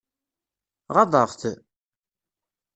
Ɣaḍeɣ-t?